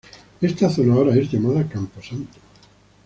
Esta zona ahora es llamada Camposanto.